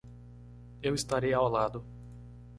Eu estarei ao lado.